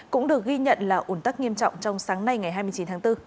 cũng được ghi nhận là ủn tắc nghiêm trọng trong sáng nay ngày hai mươi chín tháng bốn